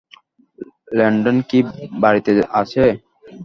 Landon কি বাড়িতে আছে?